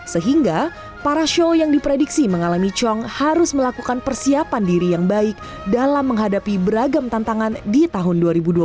sehingga para show yang diprediksi mengalami cong harus melakukan persiapan diri yang baik dalam menghadapi beragam tantangan di tahun dua ribu dua puluh satu